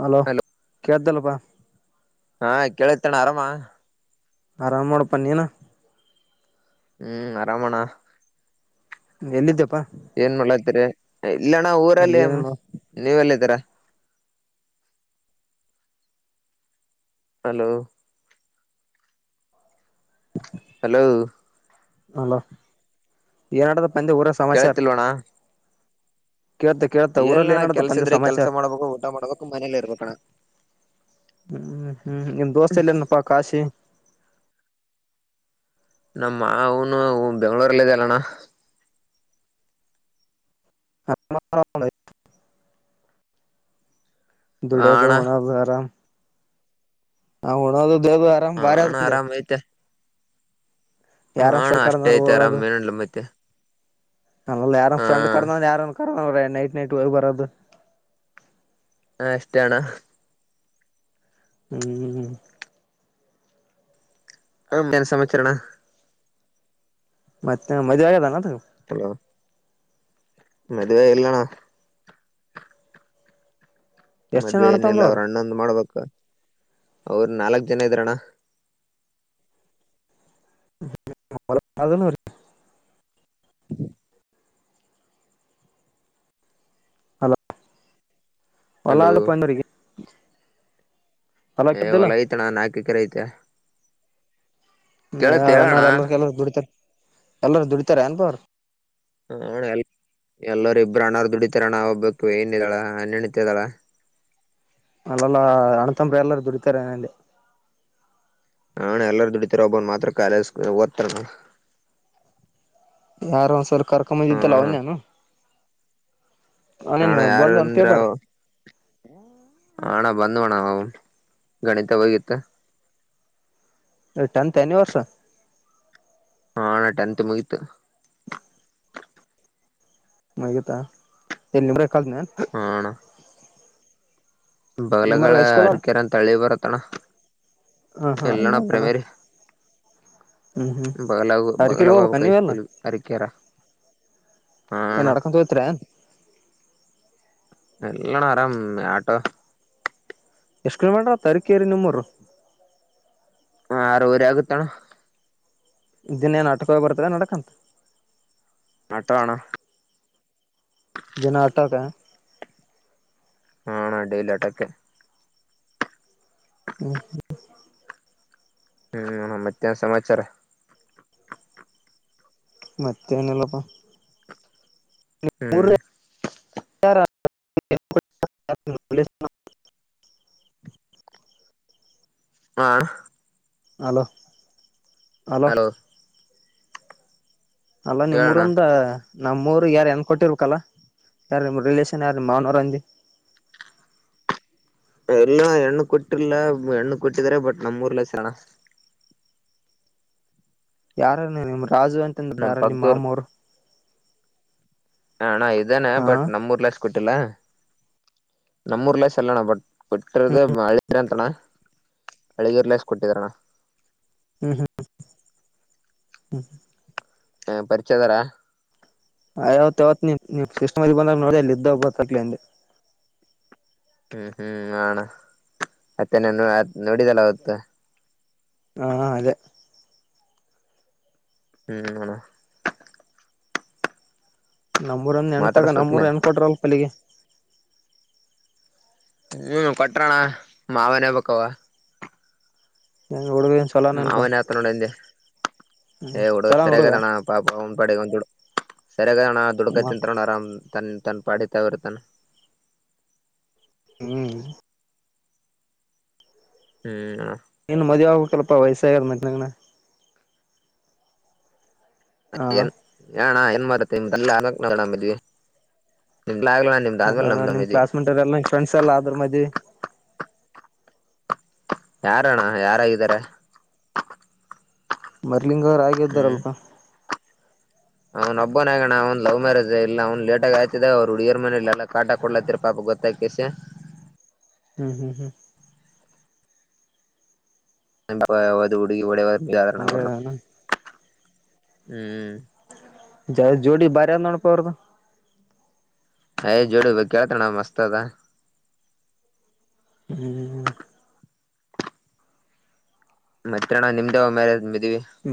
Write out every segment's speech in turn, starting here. Hello ಕೇಳ್ದಲು ವ ಹಾ ಕೇಳತ್ತೇಣ ಆರಾಮ. ಆರಾಮ್ ನೊಡಪಾ ನೀನು? ಹ್ಮ್ ಅರಾಮಣ. ಎಲ್ಲಿದ್ದ್ಯಪ್ಪ? ಏನ್ ಮಾಡ್ಲತ್ತೀರಿ ಏಯ್ ಇಲ್ಲಣ್ಣ ಊರಲ್ಲಿ ಏನ ಮ್ ನೀವೆಲ್ಲಿದ್ದೀರಾ ಹಲೋ. ಹಲೋ ಅಲ ಏನಡದ ಅಂದು ಊರ ಸಮಾಚಾರ್ ಕೇಳತಿಲ್ವಣ ಕೇಳ್ತ ಕೇಳ್ತ ಊರಲ್ಲಿ ಏಲ್ಲಣ್ಣ ಕೆಲ್ಸ ಏನಡತಪ್ಪಂದೆ ಇದ್ರೆ ಕೆಲ್ಸ ಸಮಾಚಾರ ಮಾಡ್ಬೇಕು ಊಟ ಮಾಡ್ಬೇಕು ಮನೇಲಿ ಇರ್ಬೇಕಣ್ಣ ಹ್ಮ್ ಹ್ಮ್ ನಿಮ್ ದೋಸ್ತ ಎಲ್ಲನಪ್ಪಾ ಕಾಶಿ ನಮ್ಮ ಅವನು ಬೆಂ್ಗಳೂರಲ್ಲ ಇದ ಅಲ್ಲಣ್ಣ ಹ ಹ ಧಡಿಯದ ಅಣ್ಣ ಹಣ ಸರ ನಾ ಹಣದು ಉದದು ಆರಾಮ ಹ ಅಣ್ಣ ಬಾರ್ದೆ ಆರಾಮ್ ಐತೆ ಹ ಅಣ್ಣ ಯಾರ ಂಡ್ ಅಷ್ಟೇ ಕರ್ದವ್ರ ಐತೆ ಆರಾಮ್ ಹೋಗದು ಏನಲ್ಲ ಮತ್ತೆ ಅ ಯಾರ ಹಾ ಫ್ರಂಡ್ ಕರ್ದ ಯಾರ ಕರ್್ರ ನೈಟ್ ನೆಟ್ವಾರ್ಕ್ ಬರ್ದ ಹಾ ಎಷ್ಟ ಅಣ್ಣ ಹ್ಮ್್ಮ ಹ ನ್ ಸಮ್ಮಚರೋಣ್ಣ ಮತ್ತೆ ಮದ್ೆ ಆಗದಾನ ಹಲೋ ಮದುವೆ ಎಲ್ಲಣ ಎಷ್ಟ್ ಜನ ಮದ್ವೆ ಅಣ್ಣ ಏನಿಲ್ಲ ತಮ್ಮರು ಅವ್ರು ಅವರು ಅಣ್ಣೊಂದು ಮಾಡ್ಬೇಕ ಅವ್ರ ನಾಲ್ಕ್ ಜನ ಇದ್ರಣ್ಣ [unintelligible] ಹಲೋ ಒಲಾಗ ಪಯಂದಡಿಗೆ ಏ ಹೊಲ ಐತಣ ನಾಕ ಕರೆ ಐತೆ ಮ ಕೇಳತ್ತ ಅವ್ರ ಹೇಳಣ್ಣ ಅಣ್ಣ್ರ ಎಲ್ಲಾರ ಕೆ ಬಿಡತಾರೆ ಎಲ್ಲರು ದುಡಿತಾರ ಏನ್ ಬ್ರ ಹಣ ಎ ಎಲ್ಲರು ಇಬ್ಬರು ಅಣಾರ್ ದುಡಿತಾರ ಅಣ್ಣ ಒಬ್ಬಬೇಕಿ ವೈನಿದಾಳ್ ಹನೆರಡನೆತೆ ಅದಳ ಅಲ್ಲಲ್ಲ ಅಣ್ತಮ್ಮರ ಎಲ್ಲರು ದುಡತಾರೆಏನೆ ನಾ ಎಲ್ಲಾರ ದುಡಿತಾರ ಒಬ್ಬನ್ ಮಾತ್ರ ಕಾಲೇಜ್ ಓದ್ತಾರ ನ ಯಾರು ಒಂದು ಸರ್ ಕರ್ಕೊಂಬಂದಿದ್ದೆಲ್ಲ ಹಣ ಅವನೇನು ಅವನೇನ್ ಹಣ ಯಾರ ಬಂದ್ ಒಂದ್ ಅಂದ್ರ ಪೇಪರ್ ಹಣ ಬ ಣ ಆ ಗಣಿತ ಹೋಗಿತ್ತ ಟೆಂತ್ ಎನಿ ವರ್ಷ ಹಾಣ್ಣ ಟೆಂತ್ ಮುಗೀತು ಮಗತ್ತಾ ಎಲ್ಲಿ ಊರ ಕಲ್ನೇ ಬಲಗಳ ಹೈಸ್ಕೂಲ ಅರಿಕೆರ ಅಂತ ತಳ್ಳಿ ಬರತ್ತಣ್ಣ ಹ ಹಾ ಅಲ್ಲಿ ಎಲ್ಲಣ್ಣ ಅದಾನ ಪ್ರೇಮೇರಿ ಹ್ಮ್ ಹ್ಮ್ ಬಗಲಗು ಅರಕೇರಿ ಹೋಗ್ಬೇಕ ಬಾಗಲಬಾಬುಕ ಹೈ ನೀವೆಲ್ಲ ಸ್ಕೂಲ್ ಹರಿಕೆರ. ಏನ್ ನಡ್ಕೊಂತ ಹೋತೀರಾ? ಇಲ್ಲಣ ಆರಾಮ್ ಆಟೋ ಎಷ್ಟು ಕಿಲೋಮೀಟ್ರ ತರೀಕೇರಿ ನಿಮ್ಮೂರು? ಹ ಆರೂವರೆ ಆಗುತ್ತಣ್ಣ. ದಿನ್ ಏನ್ ಆಟಕವ ಬರ್ತೀರ ನಡ್ಕಂತ್ ಆಟೋ ಅಣ. ದಿನ ಆಟೋಗ ಹ ಅಣ ಡೈಲಿ ಆಟೋಕೆ ಹ್ಮ್ ಹ್ ಮ್ ಹ್ಮ್ ಏನು ಮತ್ತ್ಯ ಸಮಾಚಾರ? ಮತ್ತೆನಿಲ್ಲಪ್ಪ ಹ್ಮ್ [unintelligible] ಹಾ ಹಲೋ ಹಲೋ ಅಲ್ಲ ಹೇಳೋಣ ನಿಮ್ಮೂರಂದ ನಮ್ಮೂರುಗೆ ಯಾರ ಹೆಣ್ಣು ಕೊಟ್ಟಿರಬೇಕಲ್ಲ ಯಾರ ನಿಮ್ಮ ರಿಲೇಶನ್ ಯಾರು ನಿಮ್ಮ ಮಾವನವ್ರಂದಿ ಎಲ್ಲ ಹೆಣ್ಣು ಕೊಟ್ಟಿಲ್ಲಾ ಹೆಣ್ಣು ಕೊಟ್ಟಿದ್ರ ಬಟ್ ನಮ್ಮೂರ್ಲೇಸಣ. ಯಾರ ನಿ ನಿಮ್ರ ರಾಜು ಅಂತಂದ್ ನಮ್ ಇದಾರ ನಿಮ್ಮ ಪಕ್ದೂರ್ ಮಾಮೋರು ಹ ಅಣ ಆಯ್ ಇದಾನೆ ಹಾ ಬಟ್ ನಮ್ಮೂರಲ್ ಅಷ್ಟ್ ಕೊಟ್ಟಿಲ್ಲ. ನಮ್ಮೂರ್ಲ್ಲ ಸಲ್ಲಣ ಬಟ್ ಕೊಟ್ಟಿರದೆ ಮಾಳ್ ನೀರಂತಣ್ಣ ಅಳಿಗರ್ಲೇಸ್ ಕೊಟ್ಟಿದರಣ ಹ್ಮ ಹ್ಮ ಹ ಪರಿಚಯದಾರ ಆಯಾವತ್ ಯಾವತ್ ನೀ ನೀವ್ ಸಿಸ್ಟಮರ್ ಬಂದಾಗ ನೋಡಿ ಅಲ್ಲಿ ಇದ್ದಗ ಗೊತ್ತಾತ್ಲೆ ಅಂದೆ. ಹ್ಮ್ ಹ್ಮ್ ಹ ಅಣ ಮತ್ತೆ ನಿನ್ನ ನೋಡಿದಲ್ಲ ಅವತ್ತು ಹಾ ಅದೇ ಹ್ಮ್ ಅಣ ನಮ್ಮೂರಂದ ಹೆಣ್ ತಗ ಮಾತಾಡ್ಸ್ಬೇಕಿಲ್ಲ ನಮ್ಮೂರು ಎಣ್ ಕೊಟ್ರವಲ್ ಪಲ್ಲಿಗೆ ಹ್ಮ ಕೊಟ್ರಣ ಮಾವನೇ ಆಗ್ಬೇಕ್ ಅವ ಹುಡುಗ ಏನ್ ಚಲೋ ಹ್ಮ್ ನೆನ್ಪಾ ಅವ್ನ್ ಆತ ನೋಡಂದೆ ಏ ಹುಡುಗ ಸರಿಯಾಗದಣ್ಣ ಪಾಪ ಅವ್ನ್ ಪಾಡಿಗ್ ಅವ್ನ್ ದುಡು ಸರಿಗದಣ ದುಡ್ಕ ತಿಂತಾರಣ್ಣ ಆರಾಮ್ ತನ್ ತಾನು ಪಡಿತ ಅವರುತಾನ ಹ್ಮ್ ಹ್ಮ ಏನು ಮದುವೆಯಗ್ ಬೇಕಲ್ಪಾ ವಯಸ್ಸಾಗ್ಯದ ಮನಂಗನ ಹ ಏನ್ ಏಣ್ಣ ಏನ್ ಮಾಡಾರತ್ತೆ ನಿಮ ತಲ್ಲ ಅ ನಿಮ್ ಕ್ಲಾಸ್ ಮೇಟ್ಲ್ಲ ನಿ ಫ್ರೆಂಡ್ಸ್ ಎಲ್ಲ ಅದ್ರ ಮದಿವಿ ಯಾರಣ್ಣ ಯಾರಾಗಿದ್ದಾರೆ ಮತ್ ಲಿಂಗ ಆಗ ಹ್ಮ್ ಇದ್ದಾರಲ್ಪ ಅವ್ನ ಹಬ್ಬನ ಆಗಣ ಅವ್ ಲವ್ ಮ್ಯಾರೇಜ್ ಇಲ್ಲ ಅವ್ನ್ ಲೇಟ ಆಗ ಆಯತಿದೆ ಅವ್ರು ಹುಡುಗಿಯರ್ ಮನೆಯಲ್ಲ ಎಲ್ಲ ಕಾಟ ಕೊಡ್ಲಾತ್ತತಿರ್ ಪಾಪ ಗೊತ್ತಾಕೆಸಿ ಹ್ಮ್ ಹ್ಮ್ ಹ್ಮ್ ಅವ ನಡು ಹುಡುಗಿ ಓಡಿಹೋಗ್ದ್ ಆದ್ರೆ ನಬ್ರಲ್ಪ್ ಹಂಗ ಹ್ಮ್ ಜೋಡಿ ಬಾರಂದಣಪ ಅವರದು ಯೆ ಜೋಡು ಬ ಕಳ್ತಣ ಮಸ್ತ ಅದ ಹ್ಮ್ ಹ್ಮ ಮತ್ತೆ ಅಣ ನಿಮ್ದೆ ಅವಗ್ ಮ್ಯಾ ಮೇಲೆ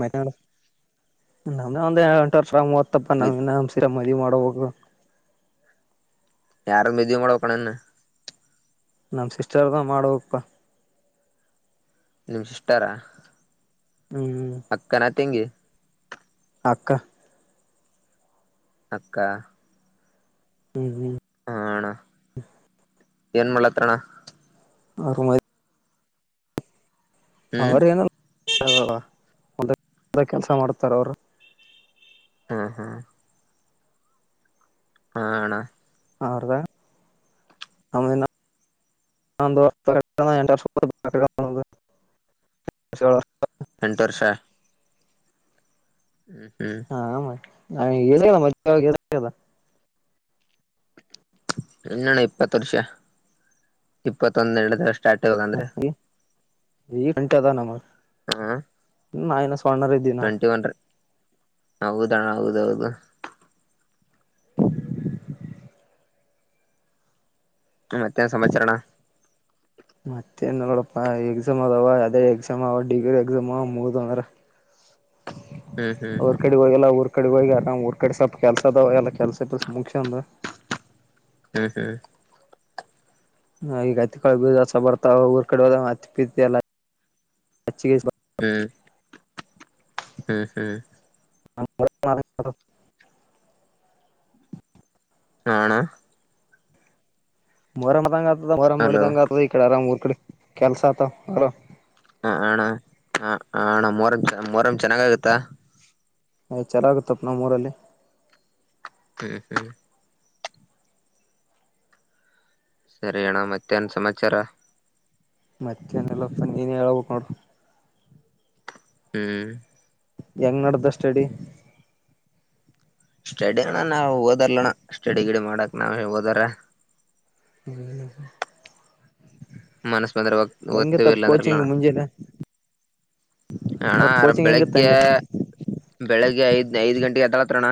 ಮತನಾ ನಮ್ದ ಒಂದ್ ಎ ಎಂಟು ವರ್ಷ ಮೂವ ಪ್ಪ ನ ನ ಸಿರಮ್ ಮದಿವಿ ಮಾಡಬೆಕು ಯಾರ ಮದವಿ ಮಾಡಕಣನ್ನ ನಮ ಸಿಸ್ಟರ್ದ ಮಾಡುವಪ್ಪಾ ನಿಮ್ಮ ಸಿಸ್ಟರಾ ಹ್ಮ್ ಅಕ್ಕನ ತಂಗಗೆ ಅಕ್ಕ ಅಕ್ಕಾ ಹ್ಮ್ ಹ್ಮ್ ಆಣ ಏನ್ ಮಾಡತ್ರಣ ಆ ಮಾಡ ಹ್ಮ್ ಅವರ ಏನ ಒಂದ ಕೆಲ್ಸ ಮಾಡ್ತಾರ ಅವರು ಹಾ ಹಾ ಹಣ ಹಾದ ಆಮೇಲೆ ನ ಎಂಟರ್ ಎಂಟು ವರ್ಷ ಹ್ಮ್ ಹ್ಮ್ ಹಾ ಇತ ಮೆ ಇನ್ನಣ ಇಪ್ಪತ್ತು ವರ್ಷ ಇಪ್ಪತ್ತೊಂದೆಡ ವರ್ಷ ಸ್ಟಾರ್ಟ್ ಇಾಗ ಅಂದ್ರೆ ಈ ಗಂಟೆದ ನಮ್ಮ ಹಾ ನನ ಪರ ದಿನ ಹೌದಣ ಹೌದೌದು ್ಮ ಮತ್ತೆ ಸಂಾಚರರಣ ಮತ್ತೆನ್ ನೋಡಪ್ಪ ಎಕ್ಸಾಮ್ ಅದಾವ ಅದೇ ಎಕ್ಸಾಮ್ ಅವ ಡಿಗ್ರಿ ಎಕ್ಸಾಮ್ ಅವ ಮುಗದಂದ್ರ ಹ್ಮ್ ಹ್ಮ್ ಅವ್ರ ಕಡೆಗಗೆಲ್ಲ ಅವರು ಕಡೆ ಹೋಗಿ ಆರಾಮ್ ಊರ್ ಕಡೆ ಸ್ವಲ್ಪ ಕೆಲ್ಸ ಅದಾವ ಎಲ್ಲ ಕೆಲ್ಸಲ್ಸ ಮುಗಂದ ಹ್ಮ್ ಹ್ಮ್ ಹ ಈಗ ಹತ್ತಿಳ ಬಸ ಬರ್ತಾವ ಊರ್ ಕಡೆತ್ತಲ್ಲ ಹ್ಮ ಹ್ಮ್ ಹ್ಮ್ [inaudible] ಹಣ ಮರ ಮದಂಗ ಆರಾಮ ಹಲೋ ಮಾಡಿದಂಗ ಅದು ಈಡೆ ಆರಾಮ್ ಡೆ ಕೆಲಸ ಅ ಬರ ಹ ಹಣ ಹ ಹಣ ಮೊರಂ ಮೊರಂ ಚೆನ್ನಾಗ ಆಗತ್ತಾ ಆಯ್ ಚೆಲಾಗುತ್ತಪ್ಪ ನಾ ಮೂಊರಲ್ಲಿ ಹ್ಮ್ ಹ್ಮ್ ಸರಿ ಅಣ್ಣ ಮತ್ತೆನ್ ಸಮಾಚಾರ ಮತ್ತೆನೆಲ್ಲಪ್ಪ ನೀನ್ ಹೇಳಳ್ಬೇಕ ನೋಡು ಹ್ಮ್ ಹೆಂಗ್ ನಡ್ದ ಕಷ್ಟಡಿ ಸ್ಟಡಿ ಅಣ್ಣ ನಾವು ಓದಾರಣ್ಣ ಸ್ಟಡಿ ಗಿಡಿ ಮಾಡಕ್ ನಾವ್ ಓದಾರ ನ ನಕ ಮನಸ್ ಬಂದ್ರೆ ಒತವ ಇಲ್ಲಾ ಕೋಚಿಂಗ್ ಅಂದ್ರಲ್ಲಾನ ಮುಂಜೆಲೆ ಹಣ್ಣ ಅಲ್ಲ ಕೋಚಿಂಗ್ ಹೆಂಗಿತ್ತ ಬೆಳಿಗ್ಗೆ ಅಂದೆ ಬೆಳಗ್ಗೆ ಐದು ಐದು ಗಂಟೆಗೆ ಹ ತರ ತ್ರಣ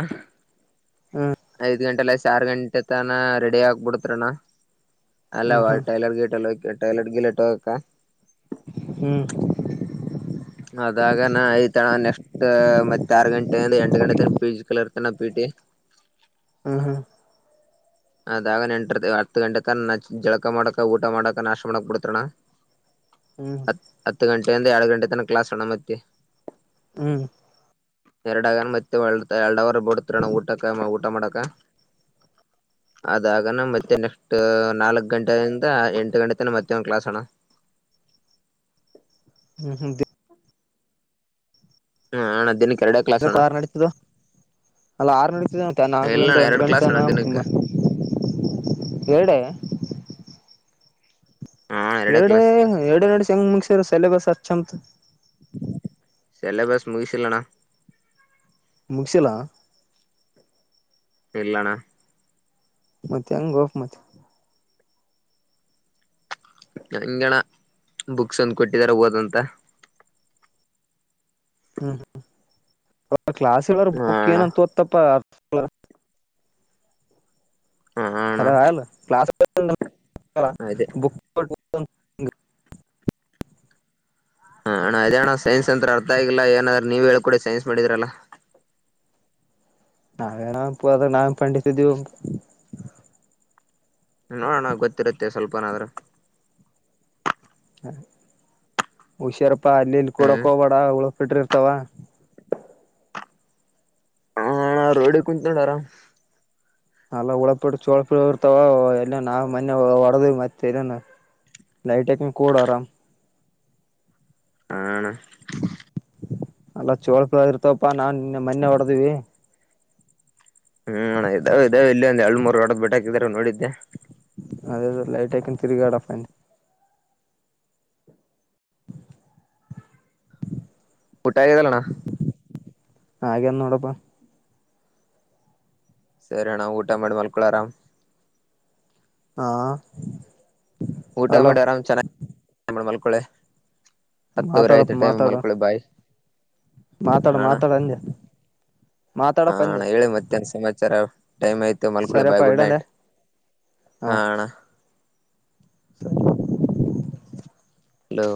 ಹ್ಮ್ ಐದ್ ಗಂಟೆ ಲ ಚಾರ್ ಗಂಟೆ ತಾನ ರೆಡಿ ಆಾಕ್ಬಿಡತ್ರಣ ಹ್ಮ್ ಅಲ್ಲವಾ ಟೈಲರ್ ಗೇಟ್ ಎಲ್ಲ ಹೋಗ ಟಯಲಟ್ಗೆಲೆಟೋಕ್ಕ ಹ್ಮ್ ಅದಾಗ ನ ಐ್ತಣ್ಣ ನೆಕ್ಸ್ಟ್ ಮತ್ತೆ ಆರು ಗಂಟೆ ಅಂದ್ರೆ ಎಂಟ ಗಂಟೆ ತ ಪಿ ಜ ಕ ಇರ್ತಾನ ಪಿ ಟಿ ಊ ಹ್ಮ್ ಅದಾಗ ನೆಂಟರ ಹತ್ತು ಗಂಟೆತನ ಜಳಕ ಮಾಡಾಕ ಊಟ ಮಾಡಾಕ ನಾಷ್ಟ್ ಮಾಡಾಕ್ ಬಿಡ್ತಾರಣ. ಹ್ಮ್ ಹ್ಮ್ ಹತ್ ಹತ್ತು ಗನ್ ರಿಂದ ಎರಡು ಗಂಟೆ ತನ ಕ್ಲಾಸಣ್ಣ ಮತ್ತೆ ಹ್ಮ್ ಎರಡಗನ್ ಮತ್ತೆ ಒಳ್ತ ಎರಡವರ ಬಿಡ್ತ್ರಣ್ಣ ಊಟಕ್ಕ ಊಟ ಮಾಡಕ್ಕ ಅದಾಗನ ಮತ್ತೆ ನೆಕ್ಸ್ಟ್ ನಾಲ್ಕ್ ಗಂಟೆಯಿಂದ ಎಂಟು ಗಂಟೆ ತನ ಮತ್ತೆ ಒಂದ್ ಕ್ಲಾಸಣ. ಹ್ಮ್ ಹ್ಮ್ ಬಿ ಹ್ಮ ಹ ಅಣ ದಿನಕ್ ಆರು ನಡತದ ಅಲ್ಲ ಆರು ನಡತಿದ ಮತ್ತ ಇಲ್ಲಣ್ಣ ನಾಲ್ಕರಿಂದ ಎಂಟು ಎರಡ್ ಗಂಟೆ ಕ್ಲಾಸ್ ಅಣ್ಣ ತನ ತುಂಬ ದಿನಕ್ಕೆ ಎರಡೆ ಹಾ ಎರಡೇ ಕ್ಲಾಸ್ ಎರಡು ನಡೆಸಿ ಹೆಂಗ್ ಮುಗಸ್ಯಾರ್ ಸೆಲೆಬಸ್ ಅ ಚಂತು. ಸೆಲೆಬಸ್ ಮುಗಿಸಿಲ್ಲಣ. ಮುಗಿಸಿಲ. ಇಲ್ಲಣ್ಣ. ಮತ್ ಹೆಂಗೋ ಮತೆ. ಹಂಗೆಣ ಬುಕ್ಸ್ ತಂದು ಕೊಟ್ಟಿದಾರೆ ಓದಂತ. ಹ್ಮ್ ಹ್ಮ್ ಕ್ಲಾಸ್ ಇರ್ ಹಾ ಬುಕ್ ಏನ ಅಣ್ಣ ಅಂತ ತೋತ್ತಪ್ಪ. [inaudible] ಹಾ ಅಣ್ಣ ಕರೆಯಲ್ ಕ್ಲಸ್ ಅದೇ [unintelligible] [inaudible] ಹ ಅಣ್ಣ ಅದೇಣ್ಣ ಸೈನ್ಸ್ ಅಂತ ಅರ್ಥ ಆಗಿಲ್ಲ ಏನಾದ್ರ ನೀವ್ ಹೇಳ್ಕೊಡಿ ಸೈನ್ಸ್ ಮಾಡಿದ್ರಲ್ಲಾ. ನಾವೇಣ ಪ ಅದ ನಾವೇನಾ ಪಂಡಿತ ಇದೀವ. ನೋಡೋಣ ಗೊತ್ತಿರುತ್ತೆ ಸ್ವಲ್ಪನಾದ್ರ. ಉಷಾರಪ್ ಆಲ್ ಇಲ್ ಕೊಡಕ್ ಹ್ಮ್ ಹೋಗ್ಬೇಡ ಅವಳು ಪಿಟ್ರಿರ್ತಾವ. ಹ ಅಣ ರೋಡಿ ಕುಂತಿನಿ ಅಣ ಆರಾಮ್ ಅಲ್ಲ ಉಳಪ ಚೋಳ ಇರ್ತಾವ ಎಲ್ಲ ನಾವ್ ಮೊನ್ನೆ ಹೊಡೆದಿವಿ ಮತ್ತೆ ಏನೇನ್ ಲೈಟ್ ಹಾಕಂಗ ಕೂಡ ಆರಾಮ್. ಹ ಅಣ. ಅಲ್ಲ ಚೋಳ ಪಲ್ ಇರ್ತಪ್ಪಾ ನಾನ್ ಇನ್ನ ಮೊನ್ನೆ ಹೊಡೆದ್ವಿ. ಹ್ಮ್ ಇದಾವ ಇದಾವ ಇಲ್ಲಿ ಒಂದ್ ಎರಡು ಮೂರ್ ವಡದ ಬಿಟಾಕಿದ ನೋಡಿದ್ದೆ. ಅದೇದೇ ಲೈಟ್ ಆಯಕೊಂಡ ತಿರುಗಾಡಪ್ಪ ಅಂದೆ. ಊಟಾ ಆಗಿದೆ ಇಲ್ಲಣ. ಹಾಗೆನ್ ನೋಡಪ್ಪಾ. ಸರಿ ಅಣ್ಣ ಊಟ ಮಾಡಿ ಮಲ್ಕೊಳಿ ಆರಾಮ್. ಹಾ ಊಟ ಹಲೋ ಮಾಡಿ ಆರಾಮ್ ಚೆನಗ್ ಮಾಲ್ ಹಕ್ಕಳೆ ಹತ್ತುವರೆ ಮಾತಾಡಪ್ಪ ಆಯ್ತು ಟೈಮ್ ಮಾತಾಡು ಮಲ್ಕೊಳ್ಳಿ ಬಾಯಿ ಮಾತಾಡ ಮಾತಾಡ ಅಂದ ಮಾತಾಡಪ್ಪ ಅಂದೆ ಸರ ಟೈಮ್ ಆಯ್ತು ಮಲ್ಕೂಳೆ ಬಾಯ್ ಸರಿಯಪ್ಪಾ ಗುಡ್ ಇಡಂದೆ ನೈಟ್ ಹಾ ಅಣ್ಣ ಸರಿ [inaudible] ಹಲೋ